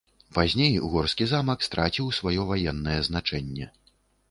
Пазней горскі замак страціў сваё ваеннае значэнне.